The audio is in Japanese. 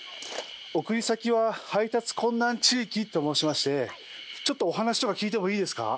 「送り先は配達困難地域」と申しましてちょっとお話とか聞いてもいいですか？